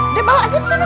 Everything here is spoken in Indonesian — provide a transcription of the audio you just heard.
udah bawa aja kesana